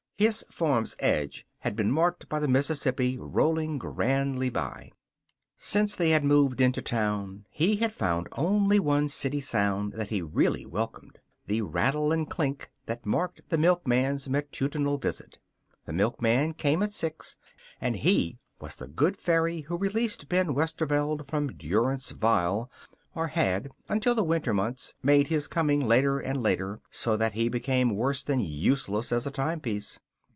His farm's edge had been marked by the Mississippi rolling grandly by. Since they had moved into town, he had found only one city sound that he really welcomed the rattle and clink that marked the milkman's matutinal visit. The milkman came at six, and he was the good fairy who released Ben Westerveld from durance vile or had until the winter months made his coming later and later, so that he became worse than useless as a timepiece.